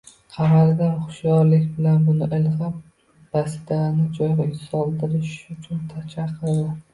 Qamariddin hushyorlik bilan buni ilg‘ab, Basidani joy soldirish uchun chaqirdi